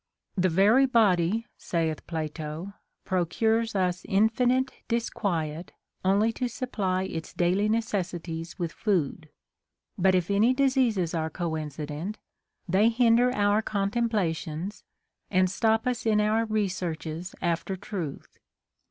" The very body," saith Plato, " procures us infinite dis quiet only to supply its daily necessities with food ; but if any diseases are coincident, they hinder our contemplations, and stop us in our researches after truth.